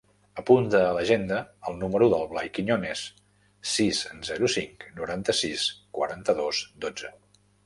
Apunta a l'agenda el número del Blai Quiñones: sis, zero, cinc, noranta-sis, quaranta-dos, dotze.